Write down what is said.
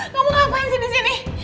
kamu ngapain sini sini